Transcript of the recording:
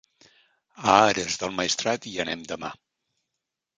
A Ares del Maestrat hi anem demà.